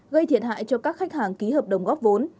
gây thiệt hại cho các khách hàng ký hợp đồng góp vốn